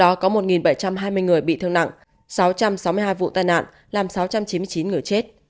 trong đó có một bảy trăm hai mươi người bị thương nặng sáu trăm sáu mươi hai vụ tai nạn làm sáu trăm chín mươi chín người chết